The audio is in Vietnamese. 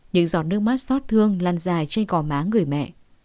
những giọt nước mắt xót thương lăn dài trên cỏ má người mẹ